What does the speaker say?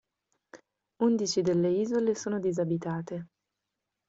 Undici delle isole sono disabitate.